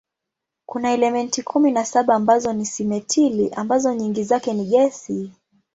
Kuna elementi kumi na saba ambazo ni simetili ambazo nyingi zake ni gesi.